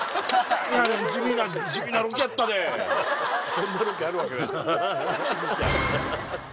そんなロケあるわけない。